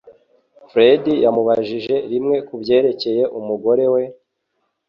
Fred yamubajije rimwe kubyerekeye umugore we,